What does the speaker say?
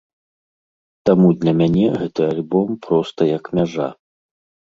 Таму для мяне гэты альбом проста як мяжа.